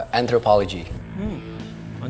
iya tapi kan